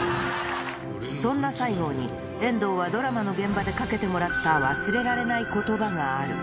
そんな西郷に、遠藤はドラマの現場でかけてもらった忘れられないことばがある。